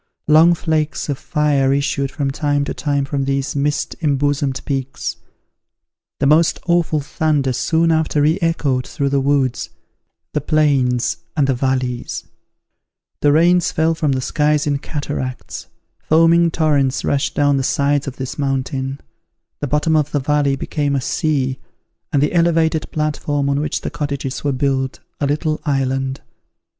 Long flakes of fire issued from time to time from these mist embosomed peaks. The most awful thunder soon after re echoed through the woods, the plains, and the valleys: the rains fell from the skies in cataracts; foaming torrents rushed down the sides of this mountain; the bottom of the valley became a sea, and the elevated platform on which the cottages were built, a little island.